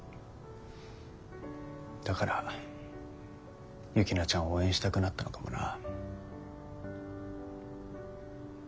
だから雪菜ちゃんを応援したくなったのかもな。